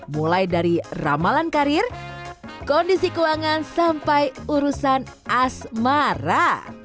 mulai dari ramalan karir kondisi keuangan sampai urusan asmara